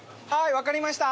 わかりました。